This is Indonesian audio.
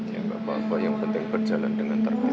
ya nggak apa apa yang penting berjalan dengan tertib